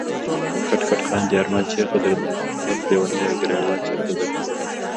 کټ کټ خاندی ارمان چېرته درنه ورک ليونيه، ګريوان چيرته درنه ورک